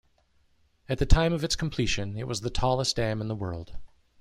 At the time of its completion, it was the tallest dam in the world.